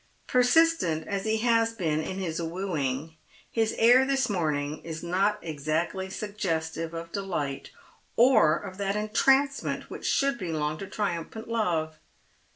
Persistent as he has been in his wooing, his air this morning is not exactly suggestive of delight, or of that entrancement which should belong to triumphant love.